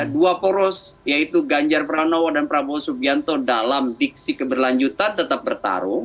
dua poros yaitu ganjar pranowo dan prabowo subianto dalam diksi keberlanjutan tetap bertarung